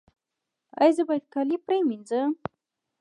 ایا زه باید کالي پریمنځم؟